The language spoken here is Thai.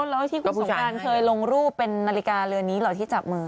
แล้วที่คุณสงการเคยลงรูปเป็นนาฬิกาเรือนนี้เหรอที่จับมือ